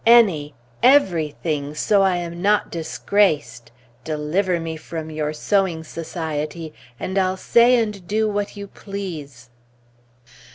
Any, every thing, so I am not disgraced! Deliver me from your sewing society, and I'll say and do what you please!